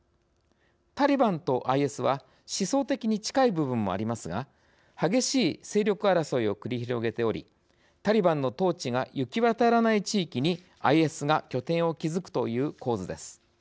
タリバンとＩＳは思想的に近い部分もありますが激しい勢力争いを繰り広げておりタリバンの統治が行き渡らない地域にＩＳが拠点を築くという構図です。